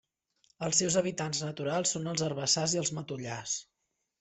Els seus hàbitats naturals són els herbassars i els matollars.